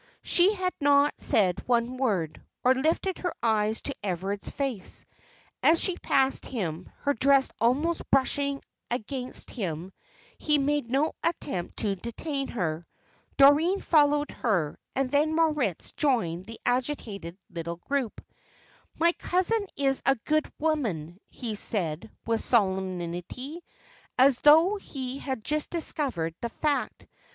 She had not said one word, or lifted her eyes to Everard's face. As she passed him, her dress almost brushing against him, he made no attempt to detain her. Doreen followed her; and then Moritz joined the agitated little group. "My cousin is a good woman," he said, with solemnity, as though he had just discovered the fact.